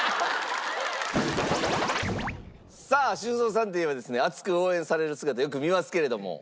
さあ修造さんといえばですね熱く応援される姿をよく見ますけれども。